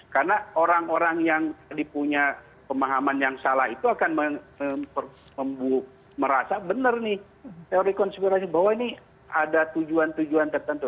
karena orang orang yang dipunya pemahaman yang salah itu akan merasa benar nih teori konspirasi bahwa ini ada tujuan tujuan tertentu